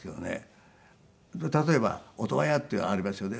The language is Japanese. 例えば音羽屋っていうのがありますよね。